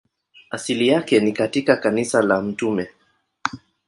Asili yake ni katika kanisa la Mt.